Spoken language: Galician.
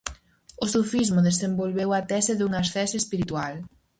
O sufismo desenvolveu a tese dunha ascese espiritual.